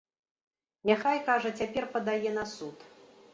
Няхай, кажа, цяпер падае на суд.